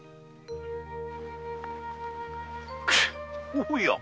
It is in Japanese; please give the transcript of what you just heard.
おや？